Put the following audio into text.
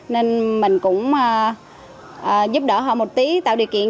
nên mình cũng giúp đỡ họ một tí tạo điều kiện